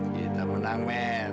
kita menang men